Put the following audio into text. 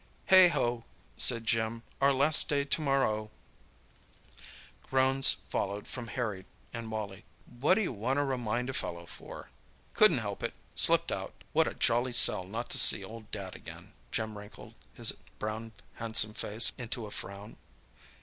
"Heigho!" said Jim. "Our last day to morrow." Groans followed from Harry and Wally. "What do you want to remind a fellow for?" "Couldn't help it—slipped out. What a jolly sell not to see old Dad again!" Jim wrinkled his brown handsome face into a frown.